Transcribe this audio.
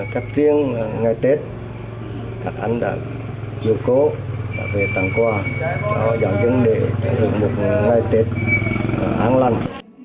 các riêng ngày tết các anh đã chiều cố về tặng quà họ dọn chứng để được một ngày tết an lanh